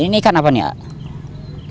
harus beri kepadilan ikan tersebut